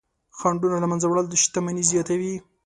خنډونه له منځه وړل شتمني زیاتوي.